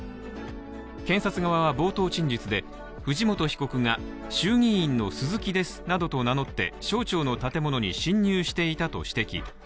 検察側は冒頭陳述で藤本被告が衆議院の鈴木ですなどと名乗って省庁の建物に侵入していたと指摘。